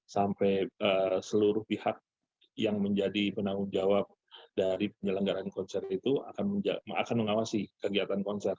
sampai seluruh pihak yang menjadi penanggung jawab dari penyelenggaran konser itu akan mengawasi kegiatan konser